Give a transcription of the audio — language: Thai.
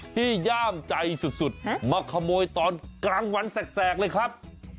ย่ามใจสุดมาขโมยตอนกลางวันแสกเลยครับ